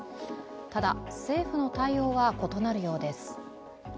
ただ政府の対応は異なるようです。